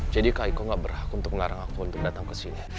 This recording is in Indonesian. jadi kak iko gak berhak untuk mengarang aku untuk datang kesini